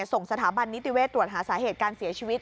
ส่งสถาบันนิติเวศตรวจหาสาเหตุการเสียชีวิต